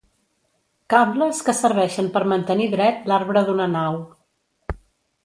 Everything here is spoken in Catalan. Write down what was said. Cables que serveixen per mantenir dret l'arbre d'una nau.